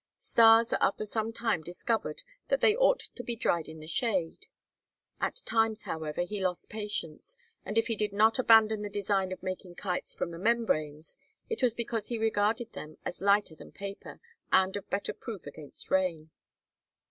Stas after some time discovered that they ought to be dried in the shade. At times, however, he lost patience, and if he did not abandon the design of making kites from the membranes it was because he regarded them as lighter than paper and of better proof against rain.